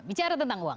bicara tentang uang